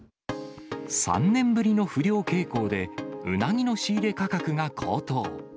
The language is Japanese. ３年ぶりの不漁傾向で、うなぎの仕入れ価格が高騰。